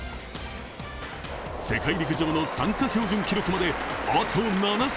世界陸上の参加標準記録まで、あと７ｃｍ。